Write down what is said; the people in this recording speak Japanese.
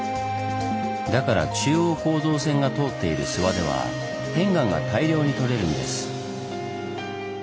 だから中央構造線が通っている諏訪では片岩が大量にとれるんです。